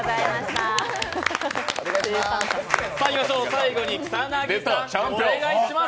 最後に草薙さんお願いします。